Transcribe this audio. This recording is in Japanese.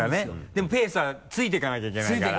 でもペースはついていかなきゃいけないから。